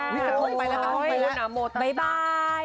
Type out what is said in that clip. กระทงไปแล้ว